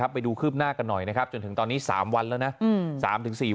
ไปดูคืบหน้ากันหน่อยนะครับจนถึงตอนนี้๓วันแล้วนะ